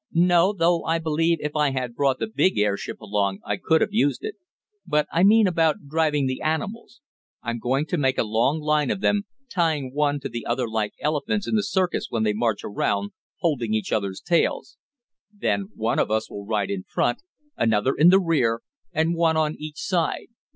"No, though I believe if I had brought the big airship along I could have used it. But I mean about driving the animals. I'm going to make a long line of them, tying one to the other like the elephants in the circus when they march around, holding each other's tails. Then one of us will ride in front, another in the rear, and one on each side.